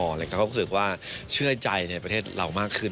แล้วก็รู้สึกว่าเชื่อใจในประเทศเรามากขึ้น